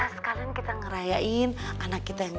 sekalian kita ngerayain anak kita yang